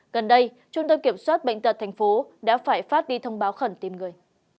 gần đây trung tâm kiểm soát bệnh tật tp đã phải phát đi thông báo khẩn tìm người